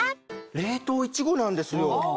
冷凍いちごなんですよ。